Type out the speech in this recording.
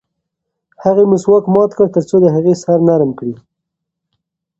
هغه مسواک مات کړ ترڅو د هغې سر نرم کړي.